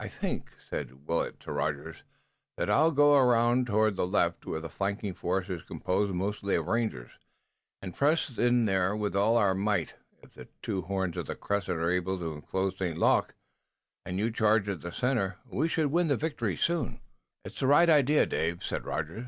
"I think," said Willet to Rogers, "that I'll go around toward the left, where the flanking force is composed mostly of rangers, and press in there with all our might. If the two horns of the crescent are able to enclose St. Luc, and you charge at the center, we should win the victory soon." "It's the right idea, Dave," said Rogers.